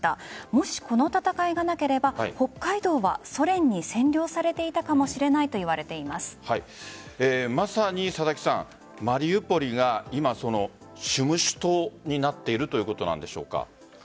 もしこの戦いがなければ北海道はソ連に占領されていたかもしれないとまさにマリウポリが今占守島になっているということなんでしょうか？